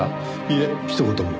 いえひと言も。